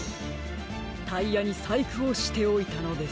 タイヤにさいくをしておいたのです。